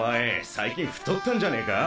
最近太ったんじゃねえか？